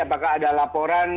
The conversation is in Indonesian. apakah ada laporan